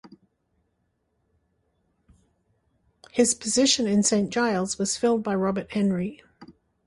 His position in St Giles was filled by Robert Henry.